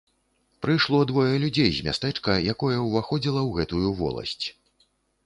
Прыйшло двое людзей з мястэчка, якое ўваходзіла ў гэтую воласць.